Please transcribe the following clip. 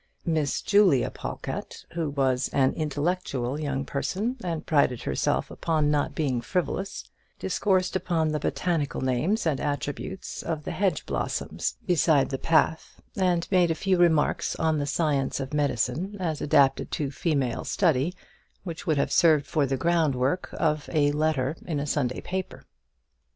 Miss Julia Pawlkatt, who was an intellectual young person, and prided herself upon not being frivolous, discoursed upon the botanical names and attributes of the hedge blossoms beside the path, and made a few remarks on the science of medicine as adapted to female study, which would have served for the ground work of a letter in a Sunday paper.